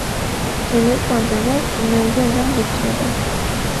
Çêleka belek di mêrgê de diçêre.